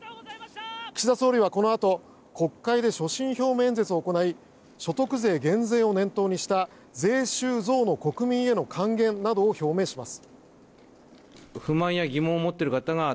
岸田総理はこのあと国会で所信表明演説を行い所得税減税を念頭にした税収増の国民への還元などを表明します。